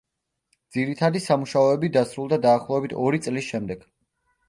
ძირითადი სამუშაოები დასრულდა დაახლოებით ორი წლის შემდეგ.